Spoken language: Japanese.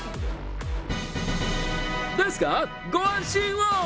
ですがご安心を！